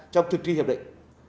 trong thực thi hiệp định